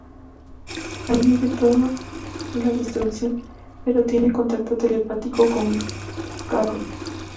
Allí ve toda la destrucción, pero tiene contacto telepático con Carrie.